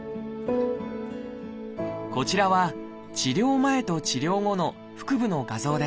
こちらは治療前と治療後の腹部の画像です。